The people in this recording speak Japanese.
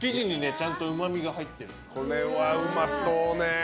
これはうまそうね。